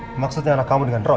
hai maksudnya anak kamu dengan roy